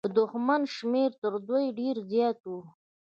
د دښمن شمېر تر دوی ډېر زيات و.